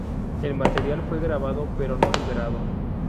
El material fue grabado pero no liberado.